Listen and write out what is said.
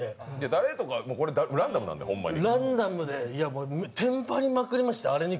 誰とかランダムなんでホンマに。